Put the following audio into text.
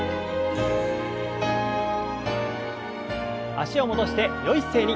脚を戻してよい姿勢に。